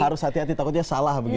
harus hati hati takutnya salah